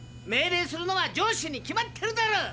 命令するのは上司に決まってるだろ。